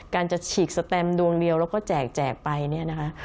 การจะฉีกสแตมดวงเดียวแล้วก็แจกไปเนี่ยนะคะ